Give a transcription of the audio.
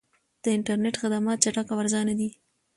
د انټرنیټ خدمات چټک او ارزانه وي.